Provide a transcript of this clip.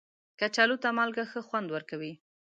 کچالو ته مالګه ښه خوند ورکوي